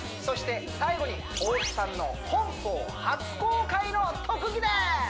そして最後に大津さんの本邦初公開の特技です！